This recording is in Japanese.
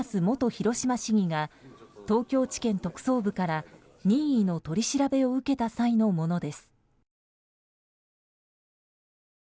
広島市議が東京地検特捜部から任意の取り調べを受けた際のものです。